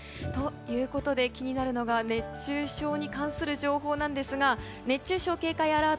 そして、気になるのが熱中症に関する情報なんですが熱中症警戒アラート